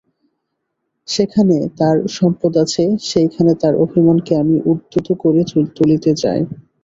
যেখানে তার সম্পদ আছে সেইখানে তার অভিমানকে আমি উদ্যত করে তুলতে চাই।